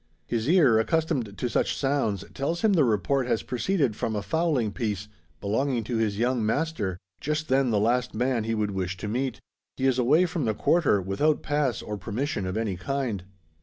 His ear, accustomed to such sounds, tells him the report has proceeded from a fowling piece, belonging to his young master just then the last man he would wish to meet. He is away from the "quarter" without "pass," or permission of any kind.